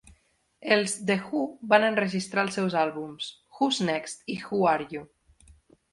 Els The Who van enregistrar els seus àlbums "Who's Next" i "Who Are You".